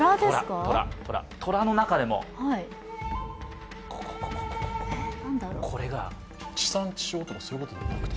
虎の中でもここ、ここ地産地消とか、そういうことじゃなくて？